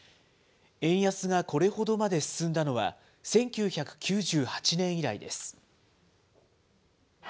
円安がこれほどまで進んだのは、１９９８年以来です。